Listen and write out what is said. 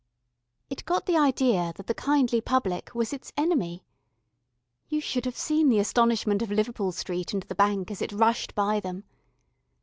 It got the idea that the kindly public was its enemy. You should have seen the astonishment of Liverpool Street and the Bank as it rushed by them.